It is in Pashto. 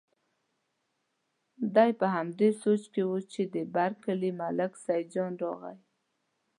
دی په همدې سوچ کې و چې د بر کلي ملک سیدجان راغی.